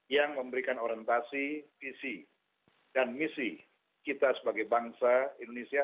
yang memberikan orientasi visi dan misi kita sebagai bangsa indonesia